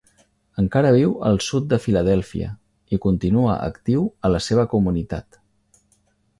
Encara viu al sud de Filadèlfia i continua actiu a la seva comunitat.